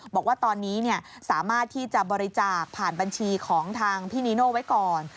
บอกว่าตอนนี้สามารถที่จะบริจาคผ่านบัญชีของทางพี่นีโน่ไว้ก่อน